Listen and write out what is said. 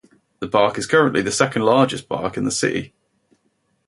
The park is currently the second-largest park in the City.